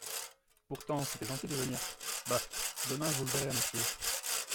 Pourtant, c'était gentil de venir … Bah ! demain vous le verrez à mes pieds.